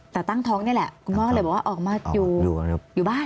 แต่ตั้งท้องนี่แหละคุณพ่อก็เลยบอกว่าออกมาอยู่บ้าน